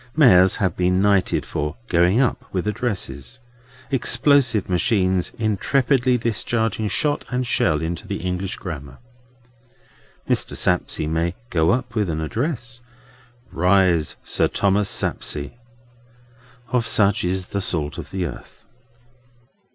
Mayors have been knighted for "going up" with addresses: explosive machines intrepidly discharging shot and shell into the English Grammar. Mr. Sapsea may "go up" with an address. Rise, Sir Thomas Sapsea! Of such is the salt of the earth.